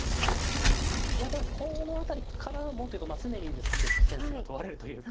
いやでもこの辺りからもというかまあ常にですけどセンスが問われるというか。